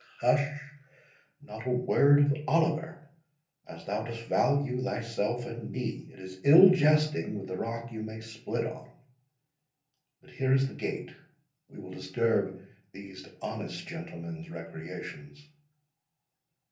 "Hush! not a word of Oliver, as thou dost value thyself and me. It is ill jesting with the rock you may split on.—But here is the gate—we will disturb these honest gentlemen's recreations."